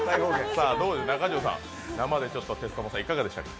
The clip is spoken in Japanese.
中条さん、生でテツトモ、いかがでしたか？